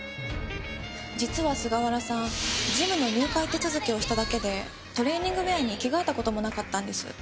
実は菅原さんジムの入会手続きをしただけでトレーニングウェアに着替えた事もなかったんです。